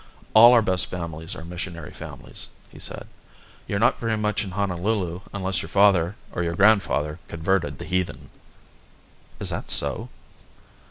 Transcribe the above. "All our best families are missionary families," he said. "You're not very much in Honolulu unless your father or your grandfather converted the heathen." "Is that so?"